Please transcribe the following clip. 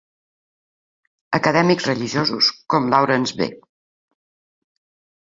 Acadèmics religiosos com Laurence B.